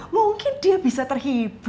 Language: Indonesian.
mungkin dia bisa terhibur